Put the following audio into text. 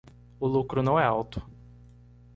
O lucro não é alto